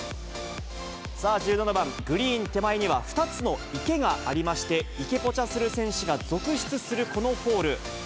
さあ、１７番、グリーン手前には２つの池がありまして、池ポチャする選手が続出するこのホール。